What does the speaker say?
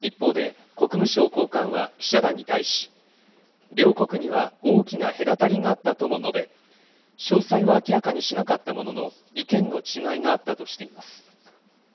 一方で国務省高官は記者団に対し、両国には大きな隔たりがあったとも述べ、詳細は明らかにしなかったものの、意見の違いがあったとしています。